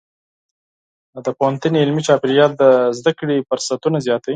د پوهنتون علمي چاپېریال د زده کړې فرصتونه زیاتوي.